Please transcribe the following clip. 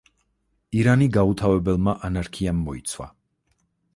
ირანი გაუთავებელმა ანარქიამ მოიცვა.